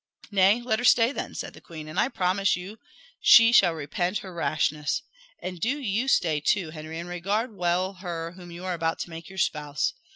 "Nay, let her stay, then," said the queen; "and I promise you she shall repent her rashness. And do you stay too, Henry, and regard well her whom you are about to make your spouse.